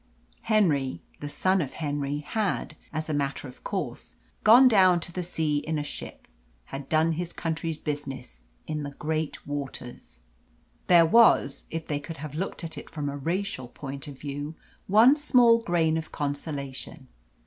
Henry, the son of Henry, had, as a matter of course, gone down to the sea in a ship, had done his country's business in the great waters. There was, if they could have looked at it from a racial point of view, one small grain of consolation.